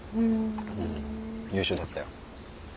うん優秀だったよ。